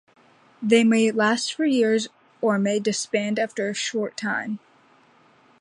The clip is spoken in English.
They may last for years or may disband after a short time.